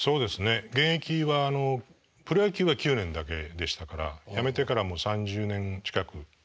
現役はプロ野球が９年だけでしたから辞めてからもう３０年近くたちますもんね。